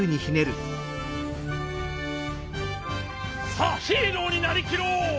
さあヒーローになりきろう！